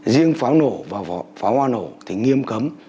riêng pháo nổ và pháo hoa nổ thì nghiêm cấm